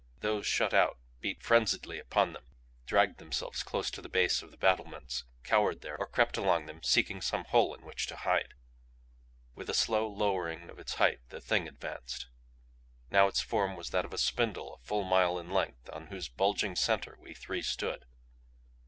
Those shut out beat frenziedly upon them; dragged themselves close to the base of the battlements, cowered there or crept along them seeking some hole in which to hide. With a slow lowering of its height the Thing advanced. Now its form was that of a spindle a full mile in length on whose bulging center we three stood.